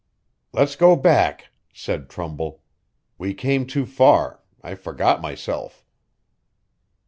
'Let's go back,' said Trumbull. 'We came too far. I forgot myself.'